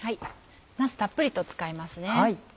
なすたっぷりと使います。